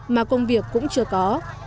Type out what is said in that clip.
mà công việc cũng chưa có